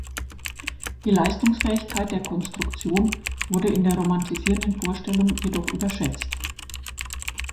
Die Leistungsfähigkeit der Konstruktion wurde in der romantisierenden Vorstellung jedoch überschätzt.